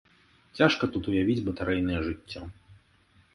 Цяжка тут уявіць батарэйнае жыццё.